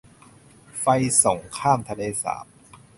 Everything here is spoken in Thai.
ไฟส่งข้ามทะเลสาบ